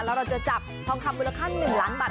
แล้วเราจะจับทองคำมูลค่า๑ล้านบาท